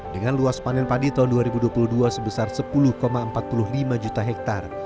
dengan luas panen padi tahun dua ribu dua puluh dua sebesar sepuluh empat puluh lima juta hektare